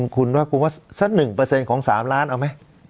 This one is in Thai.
คุณว่าสัก๑ของ๓ล้านเอาไหม